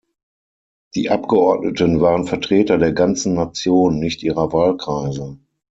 Die Abgeordneten waren Vertreter der ganzen Nation nicht ihrer Wahlkreise.